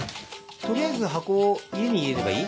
取りあえず箱を家に入れればいい？